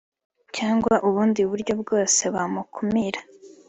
cyangwa ubundi buryo bwose bamukumira